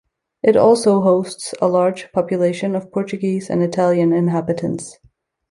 It also hosts a large population of Portuguese and Italian inhabitants.